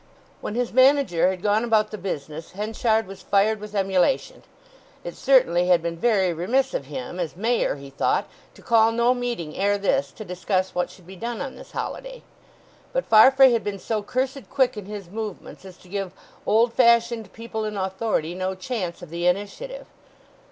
When his manager had gone about the business Henchard was fired with emulation. It certainly had been very remiss of him, as Mayor, he thought, to call no meeting ere this, to discuss what should be done on this holiday. But Farfrae had been so cursed quick in his movements as to give old fashioned people in authority no chance of the initiative.